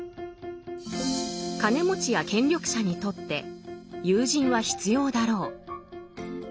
金持ちや権力者にとって友人は必要だろう。